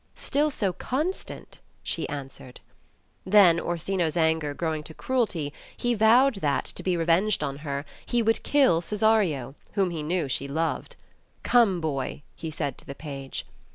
"Still so constant," she answered. Then Orsino's anger growing to cruelty, he vowed that, to be revenged on her, he would kill Cesario, whom he knew she loved. "Come, boy," he said to the page.